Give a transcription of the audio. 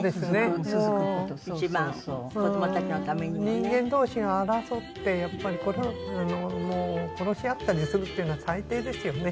人間同士が争ってやっぱり殺し合ったりするっていうのは最低ですよね。